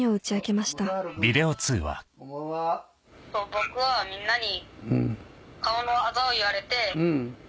僕はみんなに。